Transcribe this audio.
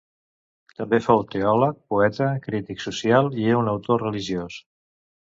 També fou teòleg, poeta, crític social, i un autor religiós.